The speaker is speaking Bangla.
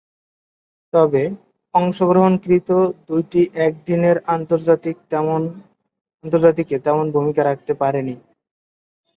তবে, অংশগ্রহণকৃত দুইটি একদিনের আন্তর্জাতিকে তেমন ভূমিকা রাখতে পারেননি।